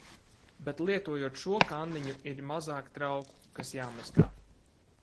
Bet lietojot šo kanniņu ir mazāk trauku, kas jāmazgā.